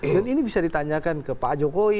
dan ini bisa ditanyakan ke pak jokowi